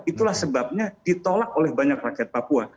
itulah sebabnya ditolak oleh banyak rakyat papua